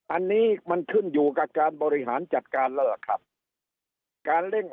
อันนี้มันขึ้นอยู่กับการบริหารจัดการแล้วล่ะครับการเร่งออก